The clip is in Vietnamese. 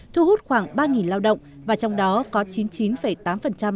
thu hút khoảng ba lao động và trong đó có chín mươi chín tám lao động